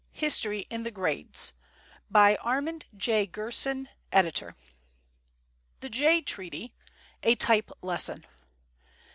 History in the Grades ARMAND J. GERSON, Editor. THE JAY TREATY. A TYPE LESSON.